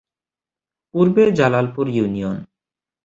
পূর্বে জালালপুর ইউনিয়ন।